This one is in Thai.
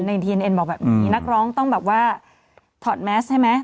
อย่างทีเอ็ดเอนบอกว่านักร้องต้องทอดแมสข์ใช่ไหม